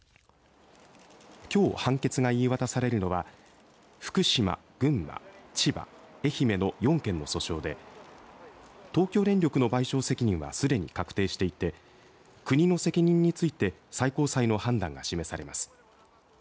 きょう判決が言い渡されるのは福島、群馬、千葉、愛媛の４県の訴訟で東京電力の賠償責任はすでに確定していて国の責任について最高裁の判断が示されます。